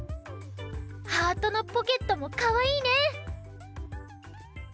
ハートのポケットもかわいいね！